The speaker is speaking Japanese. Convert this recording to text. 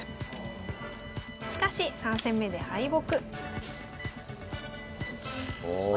しかし３戦目で敗北。